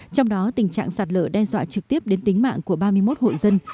trong đó tình trạng sạt lở đe dọa trực tiếp đến tính mạng của ba mươi một hộ dân